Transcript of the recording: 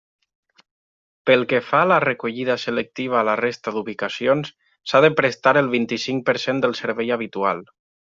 Pel que fa a la recollida selectiva a la resta d'ubicacions, s'ha de prestar el vint-i-cinc per cent del servei habitual.